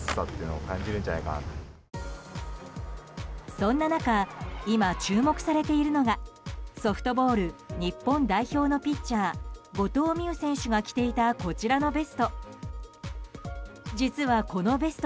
そんな中今、注目されているのがソフトボール日本代表のピッチャー後藤希友選手が着ていたこちらのベスト。